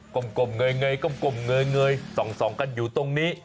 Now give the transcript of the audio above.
กลมเงยกลมเงยส่องกันอยู่ตรงนี้